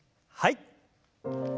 はい。